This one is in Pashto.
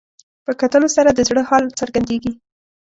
په کتلو سره د زړه حال څرګندېږي